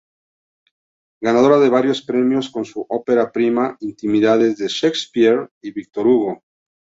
Ganadora de varios premios con su ópera prima, "Intimidades de Shakespeare y Víctor Hugo".